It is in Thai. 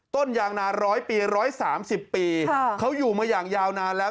ต้นยางนานร้อยปีร้อยสามสิบปีเขาอยู่มาอย่างยาวนานแล้ว